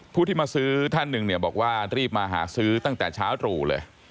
ผู้ที่มาซื้อท่านหนึ่งเนี่ยบอกว่ารีบมาหาซื้อตั้งแต่เช้าตรู่เลย